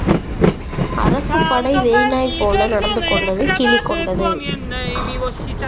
அரசுப்படை வெறிநாய்போல நடந்துகொண்டது கிலிகொண்டது.